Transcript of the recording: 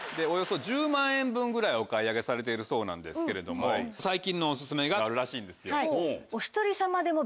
およそ１０万円分ぐらいお買い上げされているそうなんですけれども最近のオススメがあるらしいんですよ。